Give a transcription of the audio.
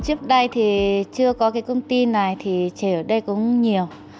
trước đây thì chưa có cái công ty này thì chè ở đây cũng nhiều